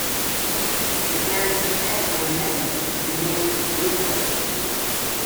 The Garrison Chancel remains, but the Nave is roofless.